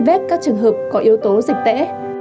tuy vết các trường hợp có yếu tố dịch tễ